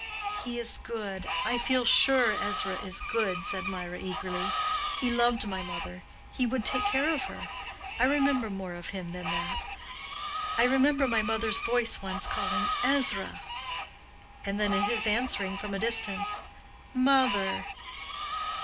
"He is good; I feel sure Ezra is good," said Mirah, eagerly. "He loved my mother—he would take care of her. I remember more of him than that. I remember my mother's voice once calling, 'Ezra!' and then his answering from a distance 'Mother!